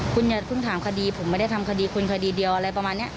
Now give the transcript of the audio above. คุณอย่าเพิ่งถามคดีผมไม่ได้ทำคดีคุณคดีเดียวอะไรประมาณนี้